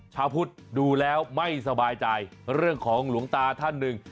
ชาวพุทธดูแล้วไม่สบายใจเรื่องของหลวงตาท่านหนึ่ง